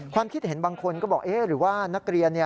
ความคิดเห็นบางคนก็บอกเอ๊ะหรือว่านักเรียน